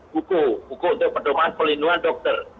buku buku untuk perdomaan perlindungan dokter